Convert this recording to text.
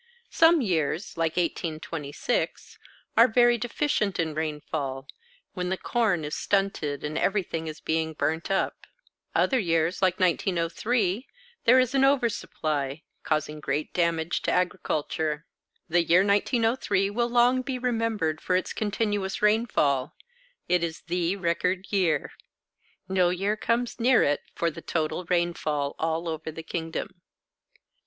Some years, like 1826, are very deficient in rainfall, when the corn is stunted and everything is being burnt up; other years, like 1903, there is an over supply, causing great damage to agriculture. The year 1903 will long be remembered for its continuous rainfall; it is the record year; no year comes near it for the total rainfall all over the kingdom.